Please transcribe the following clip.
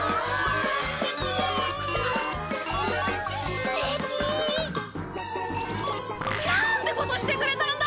素敵。なんてことしてくれたんだ！